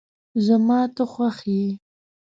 زما ته خوښ یی